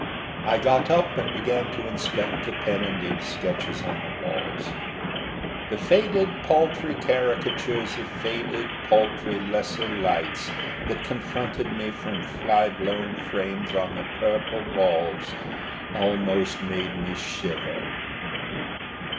I got up and began to inspect the pen and ink sketches on the walls. The faded paltry caricatures of faded paltry lesser lights that confronted me from fly blown frames on the purple walls almost made me shiver.